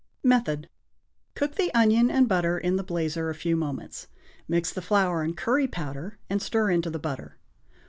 Method. Cook the onion and butter in the blazer a few moments. Mix the flour and curry powder and stir into the butter.